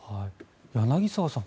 柳澤さん